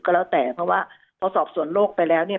ก็แล้วแต่เพราะว่าพอสอบสวนโลกไปแล้วเนี่ย